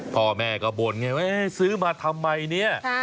พ่อแม่ก็บ่นไงว่าซื้อมาทำไมเนี่ย